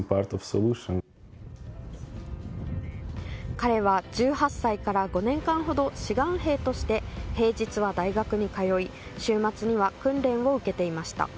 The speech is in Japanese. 彼は１８歳から５年半ほど志願兵として平日は大学に通い、週末には訓練を受けていました。